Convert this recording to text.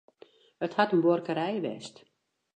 It hat in buorkerij west.